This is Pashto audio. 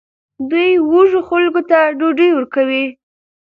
دوی وږو خلکو ته ډوډۍ ورکوي.